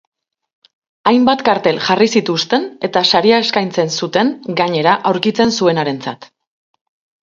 Hainbat kartel jarri zituzten eta saria eskaintzen zuten, gainera, aurkitzen zuenarentzat.